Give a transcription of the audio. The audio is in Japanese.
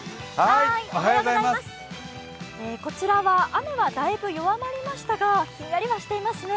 こちらは雨は大分弱まりましたが、ひんやりはしていますね。